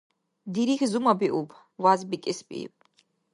Дирихь зумабиуб, вязбикӀесбииб.